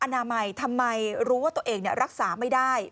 นามัยทำไมรู้ว่าตัวเองรักษาไม่ได้